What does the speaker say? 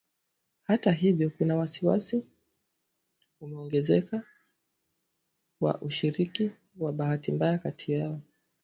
Hata hivyo kuna wasiwasi unaoongezeka wa ushiriki wa bahati mbaya kati yao